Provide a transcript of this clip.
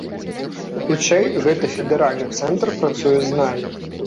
Хутчэй, гэта федэральны цэнтр працуе з намі.